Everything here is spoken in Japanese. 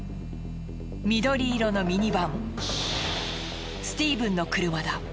緑色のミニバンスティーブンの車だ。